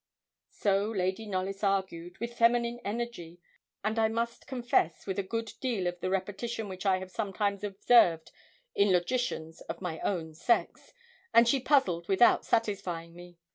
So Lady Knollys argued, with feminine energy, and I must confess, with a good deal of the repetition which I have sometimes observed in logicians of my own sex, and she puzzled without satisfying me.